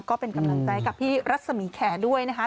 ก็เป็นกำลังใจกับพี่รัศมีแขด้วยนะคะ